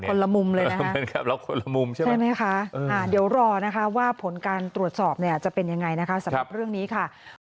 คนละมุมเลยนะครับเดี๋ยวรอว่าผลการตรวจสอบจะเป็นยังไงสำหรับเรื่องนี้ค่ะ